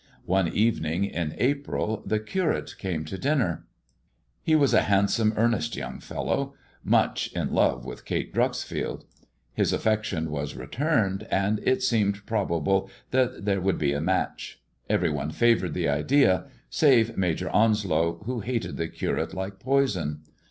On© evening ia April tlie Curate came to dinner. He "CtaetyBill." was a handsome, earnest young fellow, much in love with Kate Dreuxfield. His affection was returned, and it seemed probable that there would be a match. Eveiy one favoured the idea, save Major Onslow, who hated the Curate like poison.